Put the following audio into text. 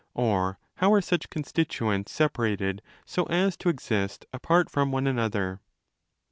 Or how are such constituents separated so as to exist apart from one another?